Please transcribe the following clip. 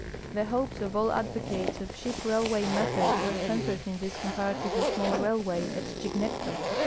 The hopes of all advocates of ship railway methods are centered in this comparatively small railway at C'hignecto.